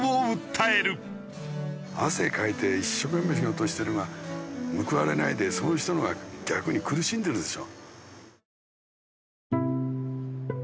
汗かいて一生懸命仕事してるのが報われないでそういう人のほうが逆に苦しんでるでしょ。